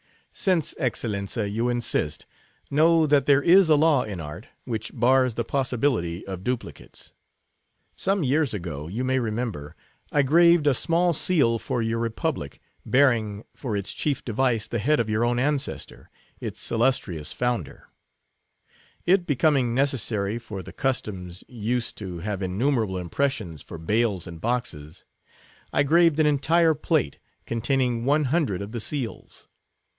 "Since, Excellenza, you insist, know that there is a law in art, which bars the possibility of duplicates. Some years ago, you may remember, I graved a small seal for your republic, bearing, for its chief device, the head of your own ancestor, its illustrious founder. It becoming necessary, for the customs' use, to have innumerable impressions for bales and boxes, I graved an entire plate, containing one hundred of the seals.